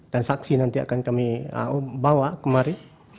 dan saksi nanti akan kami bawa kemarin